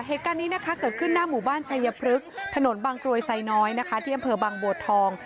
เหตุการณ์นี้เกิดขึ้นหน้าหมู่บ้านชายพลึกถนนบางกรวยไซน้อยที่อำเภอบางบวชทอง